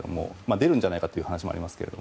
出るんじゃないかというお話もありますが。